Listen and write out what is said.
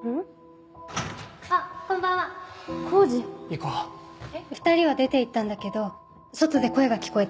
行こう２人は出て行ったんだけど外で声が聞こえて。